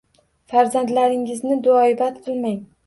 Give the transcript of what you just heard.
Farzandlaringizni duoibad qilmang